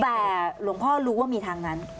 แต่หลวงพ่อรู้ว่ามีทางนั้น